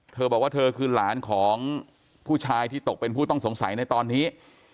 เธอบอกว่าเธอคือหลานของผู้ชายที่ตกเป็นผู้ต้องสงสัยในตอนนี้